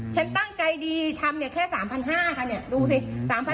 ฉันตั้งใจดีทำเนี่ยแค่๓๕๐๐บาทค่ะเนี่ยดูสิ